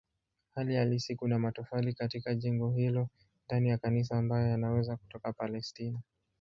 Hali halisi kuna matofali katika jengo hilo ndani ya kanisa ambayo yanaweza kutoka Palestina.